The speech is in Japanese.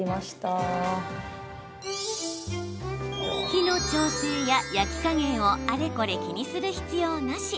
火の調節や焼き加減をあれこれ気にする必要なし。